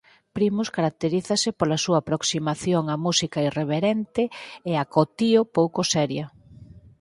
Primus caracterízase pola súa aproximación á música irreverente e acotío "pouco seria".